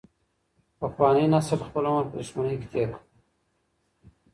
پخواني نسل خپل عمر په دښمنۍ کې تیر کړ.